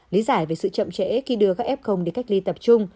lý giải về sự chậm trễ khi đưa các f đi cách ly tập trung